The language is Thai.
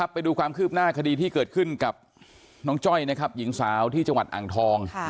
ไปดูความคืบหน้าคดีที่เกิดขึ้นกับน้องจ้อยนะครับหญิงสาวที่จังหวัดอ่างทอง